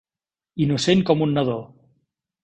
Innocent com un nadó.